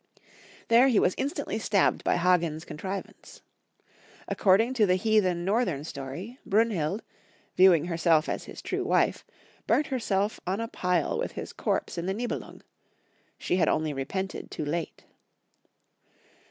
There he was instantly stabbed by Haghen's con trivance. According to the heathen northern story, BrunhUd, viewing herself as liis true wife, burnt herself on a pUe with his corpse in the Nibe lung. She had only repented too late.